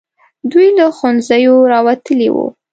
دوی له ښوونځیو راوتلي وو.